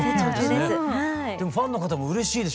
でもファンの方もうれしいでしょうね